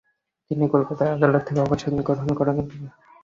তিনি কলকাতা আদালত থেকে অবসর গ্রহণ করেন।